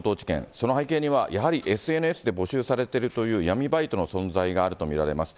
その背景にはやはりＳＮＳで募集されてるという闇バイトの存在があると見られます。